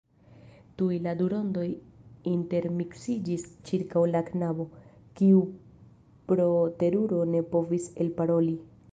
Tuj la du rondoj intermiksiĝis ĉirkaŭ la knabo, kiu pro teruro ne povis elparoli.